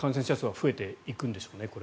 増えていくんでしょうね